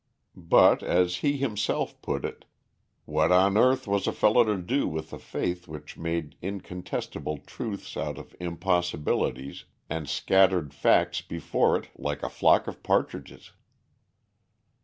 But as he himself put it: "What on earth was a fellow to do with a faith which made incontestable truths out of impossibilities, and scattered facts before it like a flock of partridges?"